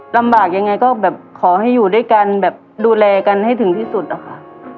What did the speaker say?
ลำบากยังไงก็แบบขอให้อยู่ด้วยกันแบบดูแลกันให้ถึงที่สุดอะค่ะ